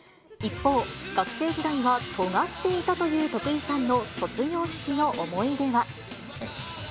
一方、学生時代はとがっていたという徳井さんの卒業式の思い出は。